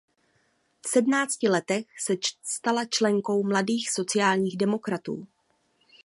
V sedmnácti letech se stala členkou Mladých sociálních demokratů.